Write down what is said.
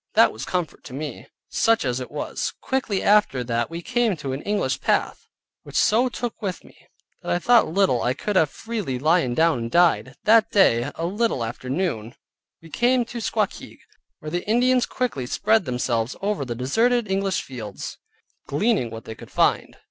That was comfort to me, such as it was. Quickly after that we came to an English path, which so took with me, that I thought I could have freely lyen down and died. That day, a little after noon, we came to Squakeag, where the Indians quickly spread themselves over the deserted English fields, gleaning what they could find.